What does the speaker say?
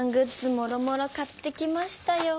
もろもろ買ってきましたよ！